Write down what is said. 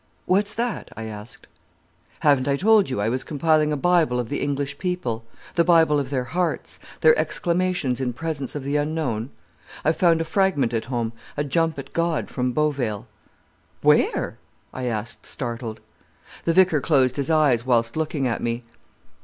"What's that?" I asked. "Haven't I told you I was compiling a Bible of the English people—the Bible of their hearts—their exclamations in presence of the unknown? I've found a fragment at home, a jump at God from Beauvale." "Where?" I asked, startled. The vicar closed his eyes whilst looking at me.